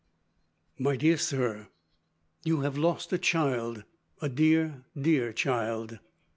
"MY DEAR SIR: "You have lost a child, a dear, dear child.